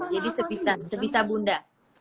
jadi sebisa bunda